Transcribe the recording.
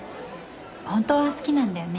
ホントは好きなんだよね